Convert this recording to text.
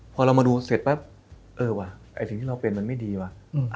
พอเรามาดูเสร็จปั๊บเออว่ะไอ้สิ่งที่เราเป็นมันไม่ดีว่ะ